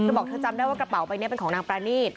บอกเธอจำได้ว่ากระเป๋าใบนี้เป็นของนางปรานีต